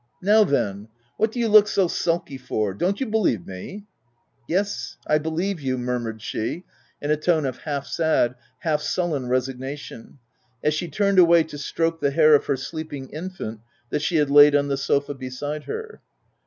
— Now then ! what do you look so sulky for ? don't you believe me ?" st Yes, I believe you/' murmured she, in a tone of half sad, half sullen resignation, as she turned away to stroke the hair of her sleeping infant, that she had laid on the sofa beside her.